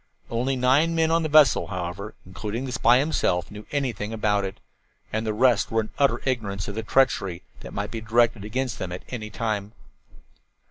Only nine men on the vessel, however, including the spy himself, knew anything about it, and the rest were in utter ignorance of the treachery that might be directed against them at any time.